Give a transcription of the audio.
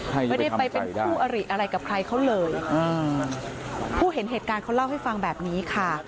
ไม่ได้ไปเป็นคู่อริอะไรกับใครเขาเลยอืมผู้เห็นเหตุการณ์เขาเล่าให้ฟังแบบนี้ค่ะ